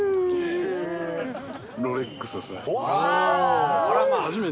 ロレックスですね。